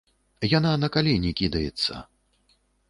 Яна на калені кідаецца.